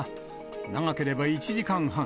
長ければ１時間半。